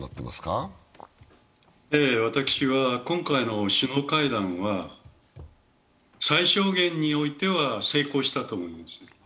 私は今回の首脳会談は、最小限においては成功したと思います。